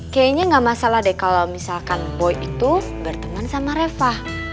kayaknya nggak masalah deh kalau misalkan boy itu berteman sama reva